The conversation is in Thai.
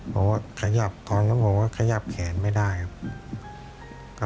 เพราะว่าขยับตอนนั้นผมก็ขยับแขนไม่ได้ครับ